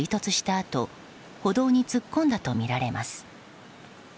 あと歩道に突っ込んだとみられます。